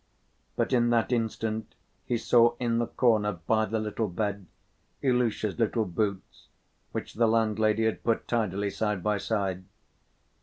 But at that instant he saw in the corner, by the little bed, Ilusha's little boots, which the landlady had put tidily side by side.